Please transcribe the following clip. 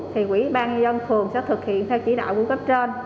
thì quỹ ban dân phường sẽ thực hiện theo chỉ đạo của cấp trên